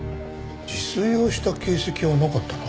自炊をした形跡はなかったな。